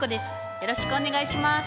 よろしくお願いします。